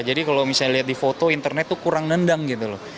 jadi kalau misalnya lihat di foto internet itu kurang nendang gitu loh